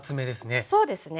そうですね。